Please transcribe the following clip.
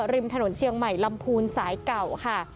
ริมถนนเชียงใหม่ลำพูนสายเก่าค่ะ